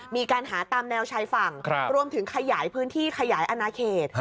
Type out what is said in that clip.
มีการหาตามแนวชายฝั่งรวมถึงขยายพื้นที่ขยายอนาเขต